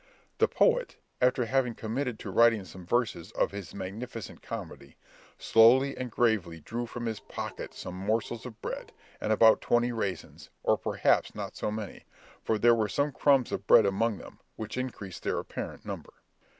The poet, after having committed to writing some verses of his magnificent comedy, slowly and gravely drew from his pocket some morsels of bread, and about twenty raisins, or perhaps not so many, for there were some crumbs of bread among them, which increased their apparent number.